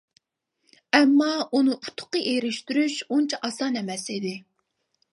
ئەمما ئۇنى ئۇتۇققا ئېرىشتۈرۈش ئۇنچە ئاسان ئەمەس ئىدى.